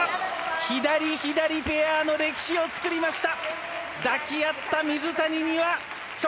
左、左ペアの歴史を作りました。